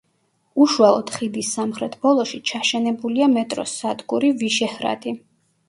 უშუალოდ ხიდის სამხრეთ ბოლოში ჩაშენებულია მეტროს სადგური „ვიშეჰრადი“.